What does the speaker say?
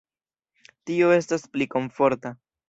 Tio estas pli komforta.